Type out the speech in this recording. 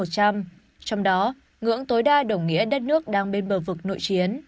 trong đó ngưỡng tối đa đồng nghĩa đất nước đang bên bờ vực nội chiến